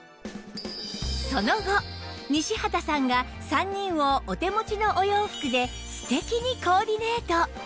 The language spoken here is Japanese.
その後西畑さんが３人をお手持ちのお洋服で素敵にコーディネート！